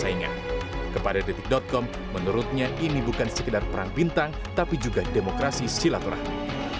namun langkah jk menjadi tim sukses jokowi ma'ruf amin sepertinya akan terganjal aturan dalam undang undang pemilu no tujuh tahun dua ribu sebelas